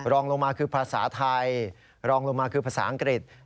รองลงมาคือภาษาไทยรองลงมาคือภาษาอังกฤษ